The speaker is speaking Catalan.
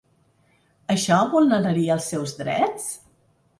Això vulneraria els seus drets?